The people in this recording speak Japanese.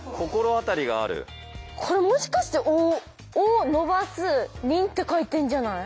これもしかして「お」「お」伸ばす「りん」って書いてんじゃない？